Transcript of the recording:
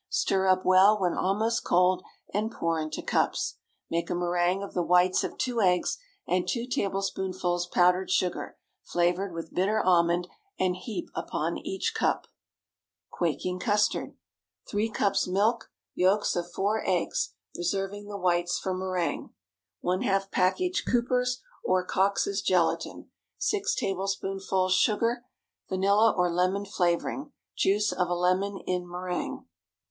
Stir up well when almost cold and pour into cups. Make a méringue of the whites of two eggs and two tablespoonfuls powdered sugar, flavored with bitter almond, and heap upon each cup. QUAKING CUSTARD. ✠ 3 cups milk. Yolks of four eggs—reserving the whites for méringue. ½ package Cooper's or Coxe's gelatine. 6 tablespoonfuls sugar. Vanilla or lemon flavoring. Juice of a lemon in méringue.